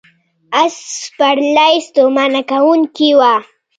آس سپرلي ستومانه کوونکې وه.